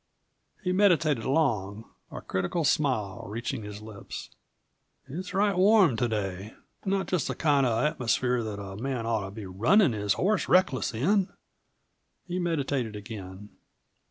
He meditated long, a critical smile reaching his lips. "It's right warm to day. Not just the kind of an atmosphere that a man ought to be runnin' his horse reckless in." He meditated again.